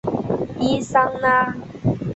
伊桑拉。